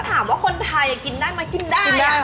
ถามว่าคนไทยกินได้ไหมกินได้